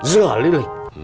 rửa lý lịch